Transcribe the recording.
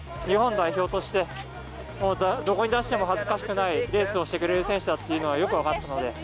日本代表として、どこに出しても恥ずかしくないレースをしてくれる選手だっていうのはよく分かったので。